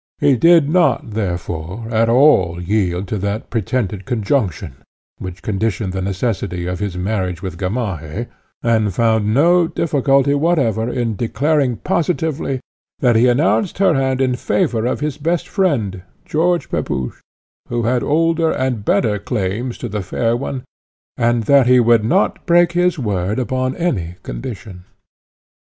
He did not, therefore, at all yield to that pretended conjunction, which conditioned the necessity of his marriage with Gamaheh, and found no difficulty whatever in declaring positively, that he renounced her hand in favour of his best friend, George Pepusch, who had older and better claims to the fair one, and that he would not break his word upon any condition.